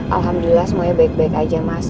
alhamdulillah semuanya baik baik aja mas